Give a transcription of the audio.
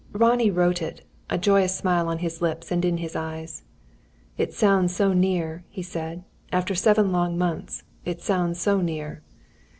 _" Ronnie wrote it a joyous smile on his lips and in his eyes. "It sounds so near," he said. "After seven long months it sounds so near!"